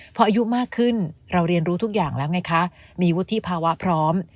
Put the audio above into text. พออายุมากขึ้นเราเรียนรู้ทุกอย่างแล้วไงคะมีวุฒิภาวะพร้อม